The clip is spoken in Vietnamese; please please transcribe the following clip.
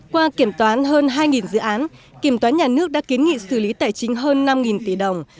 qua kiểm toán hơn hai dự án kiểm toán nhà nước đã kiến nghị xử lý tài chính hơn năm tỷ đồng